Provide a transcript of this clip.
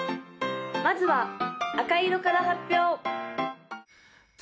まずは赤色から発表！